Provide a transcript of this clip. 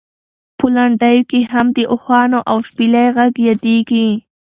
په لنډیو کې هم د اوښانو او شپېلۍ غږ یادېږي.